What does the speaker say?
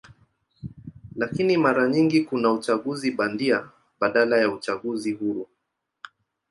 Lakini mara nyingi kuna uchaguzi bandia badala ya uchaguzi huru.